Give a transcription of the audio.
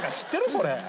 それ。